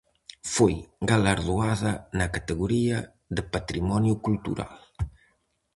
Foi galardoada na categoría de Patrimonio Cultural.